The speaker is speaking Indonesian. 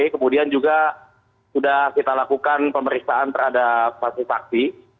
kemudian juga sudah kita lakukan pemeriksaan terhadap pasifaksi